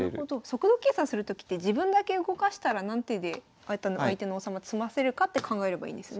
速度計算するときって自分だけ動かしたら何手で相手の王様詰ませるかって考えればいいんですよね。